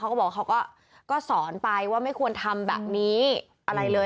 เขาก็บอกเขาก็สอนไปว่าไม่ควรทำแบบนี้อะไรเลย